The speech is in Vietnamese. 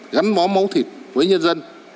gắn bó máu thịt với nhân dân